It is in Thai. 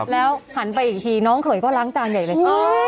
แล้วหันไปอีกทีน้องเขยก็ล้างจานใหญ่เลย